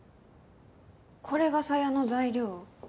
これが鞘の材料？